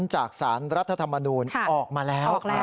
จากสารรัฐธรรมนูลออกมาแล้ว